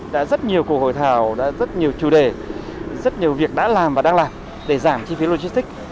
đã rất nhiều cuộc hội thảo đã rất nhiều chủ đề rất nhiều việc đã làm và đang làm để giảm chi phí logistic